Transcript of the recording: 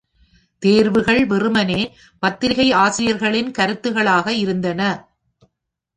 தேர்வுகள் வெறுமனே பத்திரிகை ஆசிரியர்களின் கருத்துகளாக இருந்தன.